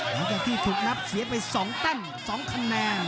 แล้วก็ที่ถูกนับเสียไป๒ตั้ง๒คะแนน